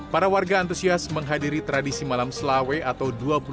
para warga antusias menghadiri tradisi malam slawe atau dua puluh dua